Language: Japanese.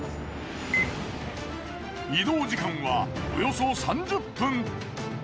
移動時間はおよそ３０分。